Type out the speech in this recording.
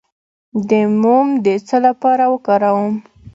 د موم د څه لپاره وکاروم؟